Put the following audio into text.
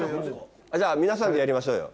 じゃ皆さんでやりましょうよ。